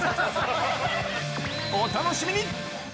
お楽しみに！